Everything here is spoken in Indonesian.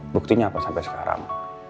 buktinya apa sampai sekarang